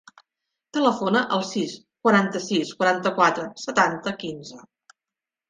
Telefona al sis, quaranta-sis, quaranta-quatre, setanta, quinze.